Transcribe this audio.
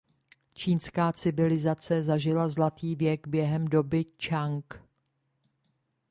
Čínská civilizace zažila zlatý věk během doby Tchang.